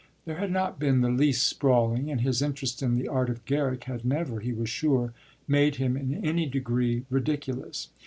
There had not been the least sprawling, and his interest in the art of Garrick had never, he was sure, made him in any degree ridiculous.